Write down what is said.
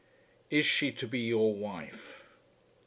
IS SHE TO BE YOUR WIFE?